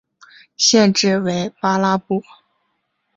县治为巴拉布。